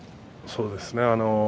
そうですね。